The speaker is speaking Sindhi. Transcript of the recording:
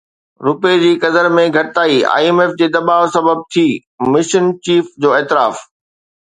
رپئي جي قدر ۾ گهٽتائي آءِ ايم ايف جي دٻاءُ سبب ٿي، مشن چيف جو اعتراف